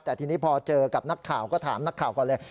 แต่ทีนี้พอเจอกับนักข่าวก็ถามนักข่าวก่อนเลย